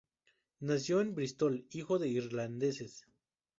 Nació en Bristol, hijo de irlandeses.